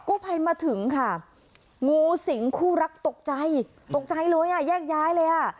ภัยมาถึงค่ะงูสิงคู่รักตกใจตกใจเลยอ่ะแยกย้ายเลยอ่ะ